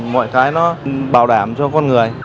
mọi cái nó bảo đảm cho con người